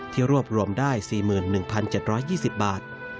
รวบรวมได้๔๑๗๒๐บาท